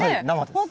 本当